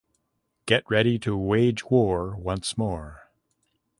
Get ready to Wage War once more.